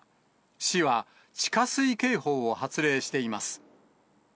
市は地下水警報を発令しています。